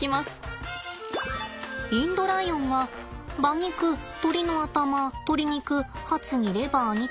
インドライオンは馬肉鶏の頭とり肉ハツにレバーにと。